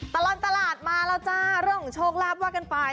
ตลอดตลาดมาแล้วจ้าเรื่องของโชคลาภว่ากันไป